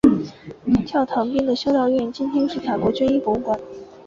教堂边的修道院今天是法国军医博物馆。